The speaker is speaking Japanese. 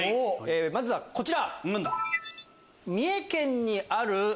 まずはこちら。